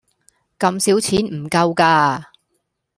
咁少錢唔夠架